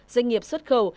doanh nghiệp xuất khẩu